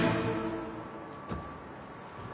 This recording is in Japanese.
あ。